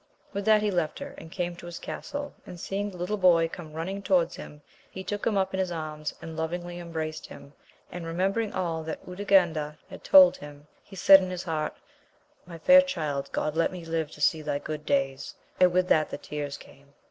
With that he left her and came to his castle, and seeing the little boy come running towards him, he took him up in his arms, and lovingly embraced him, and remembering all that Urganda had told him, he said in his heart, My fair child God let me live to see thy good days ! and with that the tears came.